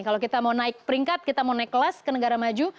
kalau kita mau naik peringkat kita mau naik kelas ke negara maju